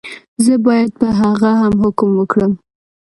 زه باید په هغه هم حکم وکړم.